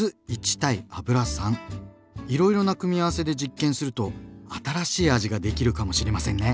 いろいろな組み合わせで実験すると新しい味ができるかもしれませんね！